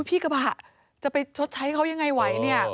พี่กระบะจะไปชดใช้เขายังไงไหวเนี่ย